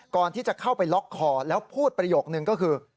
ก่อนที่จะเข้าไปล็อกคอแล้วพูดประโยคนึงก็คือ